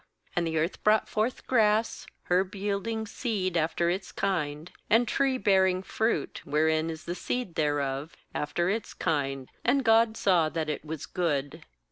KAnd the earth brought forth grass, herb yielding seed after iljs^kind, and tree bearing fruit, wherein is the seed thereof, after its kind; and God saw that it was good.